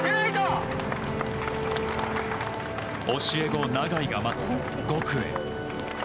教え子、永井が待つ５区へ。